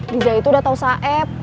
diza itu udah tahu saeb